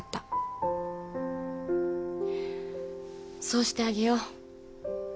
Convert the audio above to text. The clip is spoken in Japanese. そうしてあげよう。